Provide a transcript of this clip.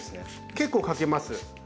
結構かけます。